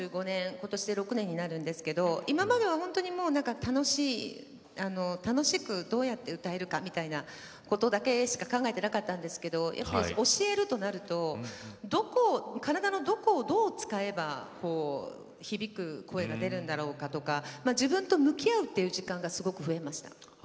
ことしで３６年になるんですけど今までは楽しくどうやって歌えるかみたいなことだけしか考えていなかったんですけど教えるとなると体のどこをどう使えば響く声が出るんだろうかとか自分と向き合う時間がすごく増えました。